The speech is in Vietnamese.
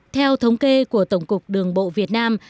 theo thống kê của tổng cục đường bộ việt nam